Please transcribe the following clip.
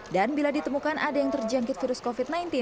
dan bila ditemukan ada yang terjangkit virus covid sembilan belas